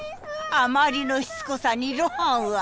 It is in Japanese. あまりのしつこさに露伴は。